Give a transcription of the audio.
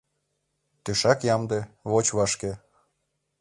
Тӧшак ямде, воч вашке